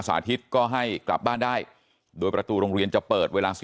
อาทิตย์ก็ให้กลับบ้านได้โดยประตูโรงเรียนจะเปิดเวลา